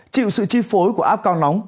chịu sự chi phối của áp cao nóng